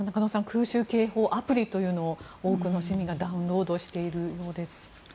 空襲警報アプリというのを多くの市民がダウンロードしているようです。